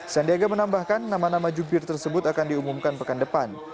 sandiaga menambahkan nama nama jubir tersebut akan diumumkan pekan depan